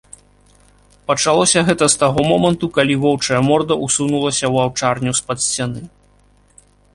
Пачалося гэта з таго моманту, калі воўчая морда ўсунулася ў аўчарню з-пад сцяны.